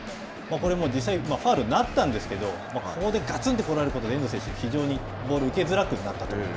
これも実際、ファウルになったんですけれども、ここでがつんと来られることで、遠藤選手は非常にボールを受けづらくなったと。